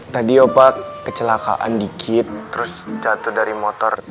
tadi obat kecelakaan dikit terus jatuh dari motor